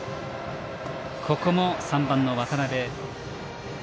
ここも３番の渡邉。